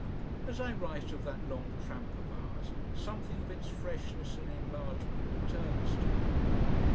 As I write of that long tramp of ours, something of its freshness and enlargement returns to me.